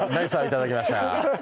いただきました。